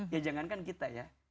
ya jangankan kita ya